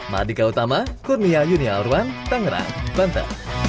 madika utama kurnia yuni alruan tangerang bante